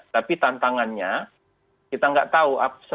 tapi tantangannya kita nggak tahu